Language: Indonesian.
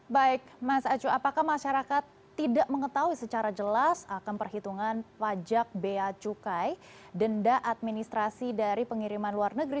baik mas acu apakah masyarakat tidak mengetahui secara jelas akan perhitungan pajak bea cukai denda administrasi dari pengiriman luar negeri